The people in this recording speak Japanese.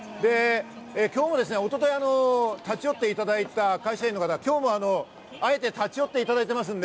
今日も一昨日立ち寄っていただいた会社員の方、今日もあえて立ち寄っていただいています。